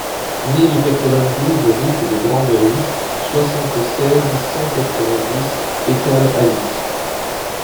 mille quatre-vingt-douze route de Grande-Rue, soixante-seize, cent quatre-vingt-dix, Écalles-Alix